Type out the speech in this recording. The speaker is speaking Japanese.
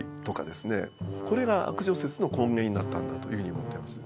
これが悪女説の根源になったんだというふうに思ってます。